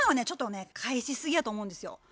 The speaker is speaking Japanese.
ちょっとね返しすぎやと思うんですよ。